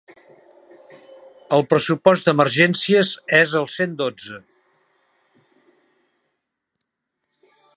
El pressupost d'emergències és el cent dotze.